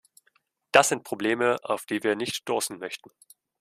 Das sind Probleme, auf die wir nicht stoßen möchten.